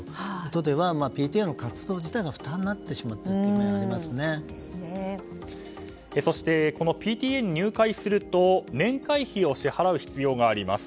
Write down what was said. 都ではＰＴＡの活動自体が負担にそしてこのＰＴＡに入会すると年会費を支払う必要があります。